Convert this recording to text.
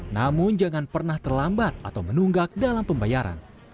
namun jangan pernah terlambat atau menunggak dalam pembayaran